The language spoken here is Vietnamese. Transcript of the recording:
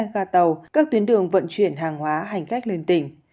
gà tàu các tuyến đường vận chuyển hàng hóa hành khách lên tỉnh